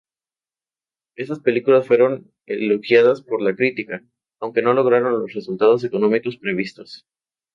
Estas películas fueron elogiadas por la crítica, aunque no lograron los resultados económicos previstos.